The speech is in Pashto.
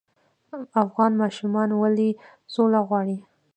افغان ماشومان ولې سوله غواړي؟